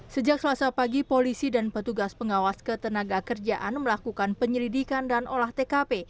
sejak selasa pagi polisi dan petugas pengawas ketenaga kerjaan melakukan penyelidikan dan olah tkp